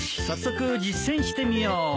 早速実践してみよう。